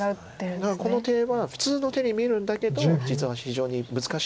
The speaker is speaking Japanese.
だからこの手は普通の手に見えるんだけど実は非常に難しい。